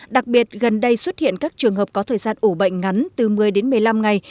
đặc biệt gần đây xuất hiện các trường hợp có thời gian ủ bệnh ngắn từ một mươi đến một mươi năm ngày